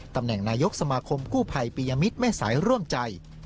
ตำแหน่งนายกสมาคมกู้ภัยปียมิตรแม่สายร่วมใจ